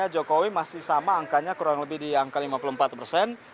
jokowi masih sama angkanya kurang lebih di angka lima puluh empat persen